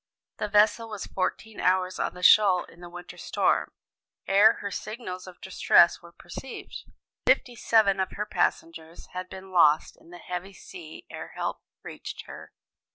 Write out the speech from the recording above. The vessel was fourteen hours on the shoal in the winter storm, ere her signals of distress were perceived. Fifty seven of her passengers had been lost in the heavy sea ere help reached her.